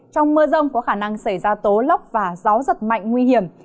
trong mưa rông có khả năng xảy ra tố lốc và gió giật mạnh nguy hiểm